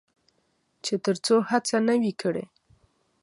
چې تر څو هڅه نه وي کړې.